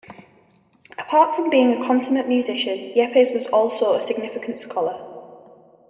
Apart from being a consummate musician, Yepes was also a significant scholar.